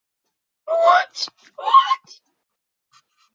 喜山蟾蜍为蟾蜍科蟾蜍属的两栖动物。